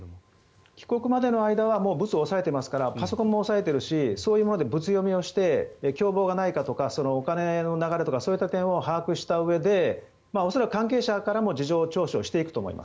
帰国までの間はブツを押さえていますからそういうものでブツ読みをして共謀がないかとかお金の流れとかそういった点を把握したうえで関係者からも事情聴取していくと思います。